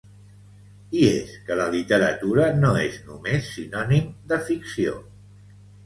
I és que la literatura no és només sinònim de ficció.